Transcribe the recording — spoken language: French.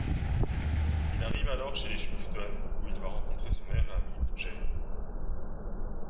Il arrive alors chez les Shmufton, où il va rencontrer son meilleur ami, Jay.